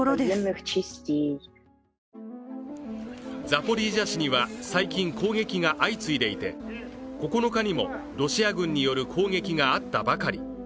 ザポリージャ市には最近、攻撃が相次いでいて９日にもロシア軍による攻撃があったばかり。